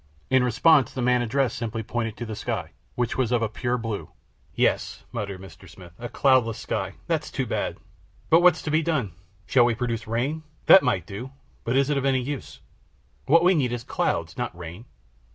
In response, the man addressed simply pointed to the sky, which was of a pure blue. "Yes," muttered Mr. Smith, "a cloudless sky! That's too bad, but what's to be done? Shall we produce rain? That we might do, but is it of any use? What we need is clouds, not rain.